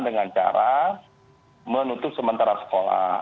dengan cara menutup sementara sekolah